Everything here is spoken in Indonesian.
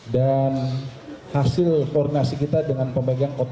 dan hasil koordinasi kita dengan pemegang korupsi